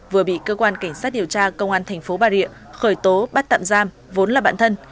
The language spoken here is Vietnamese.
vừa bị cơ quan cảnh sát điều tra công an thành phố bà rịa khởi tố bắt tạm giam vốn là bạn thân